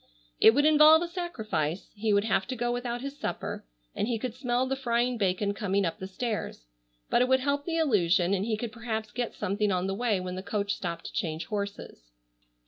It would involve a sacrifice. He would have to go without his supper, and he could smell the frying bacon coming up the stairs. But it would help the illusion and he could perhaps get something on the way when the coach stopped to change horses.